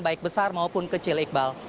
baik besar maupun kecil iqbal